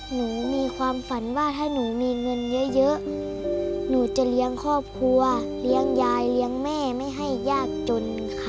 หนูมีความฝันว่าถ้าหนูมีเงินเยอะหนูจะเลี้ยงครอบครัวเลี้ยงยายเลี้ยงแม่ไม่ให้ยากจนค่ะ